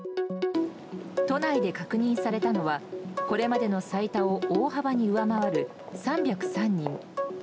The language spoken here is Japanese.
都内で感染されたのはこれまでの最多を大幅に上回る３０３人。